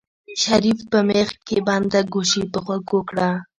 شريف په مېخ کې بنده ګوشي په غوږو کړه.